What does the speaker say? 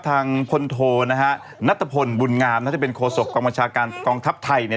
ทางพนโทนะฮะณบุญงามณโทษกรรมชาการกองทัพไทยนี่